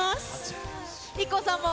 ＩＫＫＯさんも。